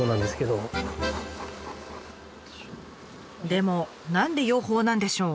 でも何で養蜂なんでしょう？